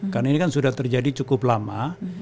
karena ini kan sudah terjadi cukup lama